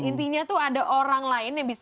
intinya tuh ada orang lain yang bisa